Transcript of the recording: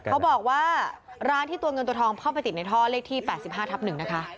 เขาบอกว่าร้านที่ตัวเงินตัวทองเข้าไปติดในท่อเลขที่๘๕ทับ๑นะคะ